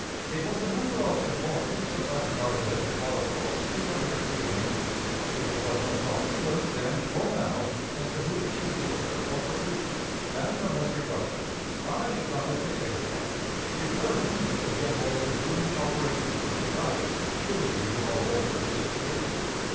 It was a matter of importance, as I regarded it, to follow closely on the retreating enemy, but it was of no consequence then or now as to who issued the order for pursuit, and, unless requested, I should not have dictated one, preferring that the generals to whom the operations were confided should issue all orders to the troops.